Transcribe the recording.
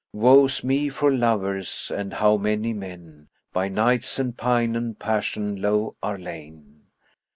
Woe's me for lovers! Ah how many men * By nights and pine and passion low are lain!